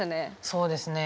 そうですね